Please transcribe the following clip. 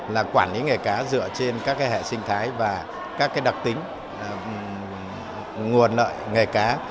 là quản lý nghề cá dựa trên các hệ sinh thái và các đặc tính nguồn lợi nghề cá